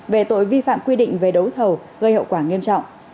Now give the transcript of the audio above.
về tội vi phạm quy định về đấu thầu gây hậu quả nghiêm trọng